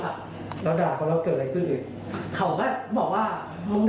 เขาก็กัดอีกหนูก็แขนเดียวใช่ค่ะอันนี้แขนนี้กัด